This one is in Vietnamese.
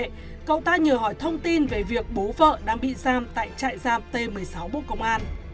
người ta nhờ hỏi thông tin về việc bố vợ đang bị giam tại trại giam t một mươi sáu bộ công an